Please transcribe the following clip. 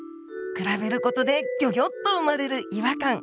比べることでギョギョッと生まれる違和感。